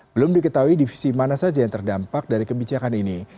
belum diketahui divisi mana saja yang terdampak dari kebijakan ini